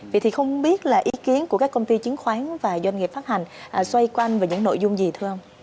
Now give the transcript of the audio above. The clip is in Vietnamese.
vậy thì không biết là ý kiến của các công ty chứng khoán và doanh nghiệp phát hành xoay quanh về những nội dung gì thưa ông